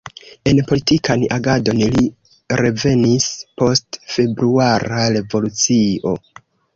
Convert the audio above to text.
En politikan agadon li revenis post Februara Revolucio.